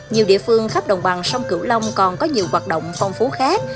nhiều địa phương khắp đồng bằng sông cửu long còn có nhiều hoạt động phong phú khác